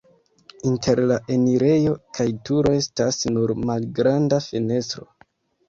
Inter la enirejo kaj turo estas nur malgranda fenestro.